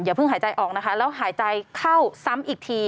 เพิ่งหายใจออกนะคะแล้วหายใจเข้าซ้ำอีกที